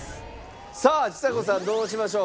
さあちさ子さんどうしましょう？